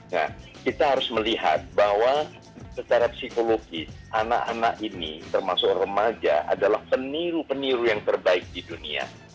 nah kita harus melihat bahwa secara psikologis anak anak ini termasuk remaja adalah peniru peniru yang terbaik di dunia